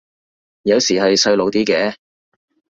有時係細路啲嘅